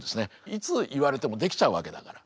いつ言われてもできちゃうわけだから。